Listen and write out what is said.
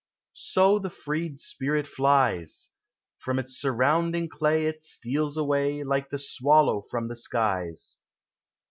So the freed spirit flies! From its surrounding clay It steals away Like the swallow from the ^i' ,v